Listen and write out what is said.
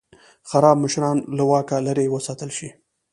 خراب مشران له واکه لرې وساتل شي.